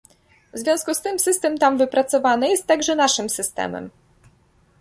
W związku z tym, system tam wypracowany jest także naszym systemem